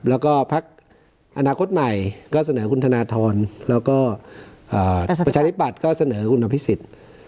แล้วก็พักอนาคตใหม่ก็เสนอคุณธนทรแล้วก็ประชาธิปัตย์ก็เสนอคุณอภิษฎ